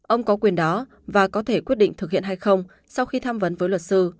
ông có quyền đó và có thể quyết định thực hiện hay không sau khi tham vấn với luật sư